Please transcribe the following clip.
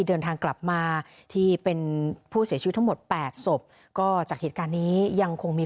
เดินทางกลับมาที่เป็นผู้เสียชีวิตทั้งหมดแปดศพก็จากเหตุการณ์นี้ยังคงมี